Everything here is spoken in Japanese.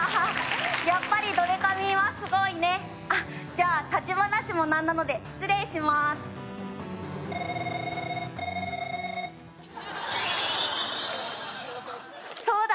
やっぱりドデカミンはすごいねあっじゃ立ち話も何なので失礼しますそうだ